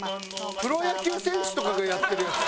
「プロ野球選手とかがやってるやつ」